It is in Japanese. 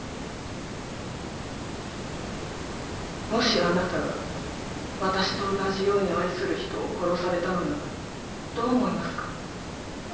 もしあなたが私と同じように愛する人を殺されたのならどう思いますか？